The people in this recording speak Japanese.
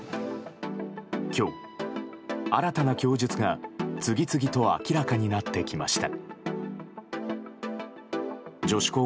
今日、新たな供述が次々と明らかになってきました。